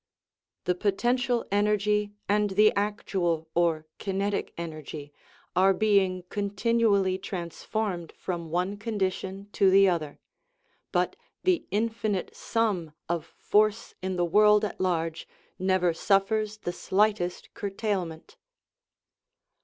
The potential energy and the actual, or kinetic, energy are being continually transformed from one condition to the other; but the infinite sum of force in the world at large never suffers the slightest curtailment.